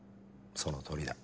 そのとおりだ。